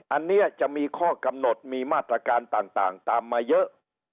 อันนี้จะมีข้อกำหนดมีมาตรการต่างตามมาเยอะ